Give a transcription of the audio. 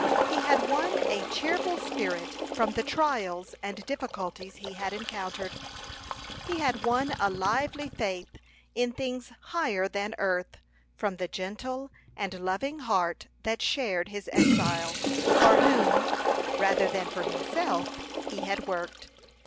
He had won a cheerful spirit, from the trials and difficulties he had encountered. He had won a lively faith in things higher than earth, from the gentle and loving heart that shared his exile, for whom, rather than for himself, he had worked.